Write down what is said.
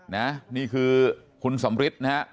นะนี่คือคุณสำฤิษฐ์นะฮะ